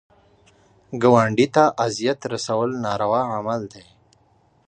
ګاونډي ته اذیت رسول ناروا عمل دی